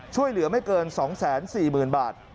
ช่วยเหลือไม่เกิน๒๔๐๐๐บาท